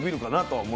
はい！